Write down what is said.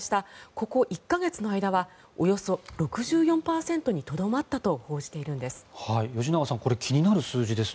ここ１か月の間はおよそ６４％にとどまったと報じているんです。